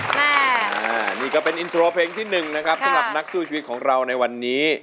อันนี้ก็เป็นอินโทรเพลงที่หนึ่งนะครับสำหรับนักสู้ชีวิตของเราในวันนี้